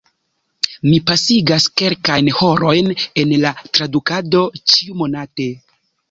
Mi pasigas kelkajn horojn en la tradukado ĉiumonate.